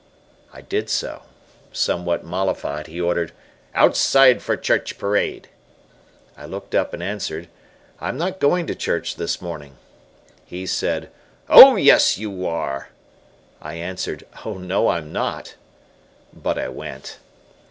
'" I did so. Somewhat mollified, he ordered, "Outside for church parade." I looked up and answered, "I am not going to church this morning." He said, "Oh, yes, you are!" I answered. "Oh, no, I'm not!" But I went.